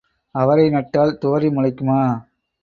அவரை நட்டால் துவரை முளைக்குமா?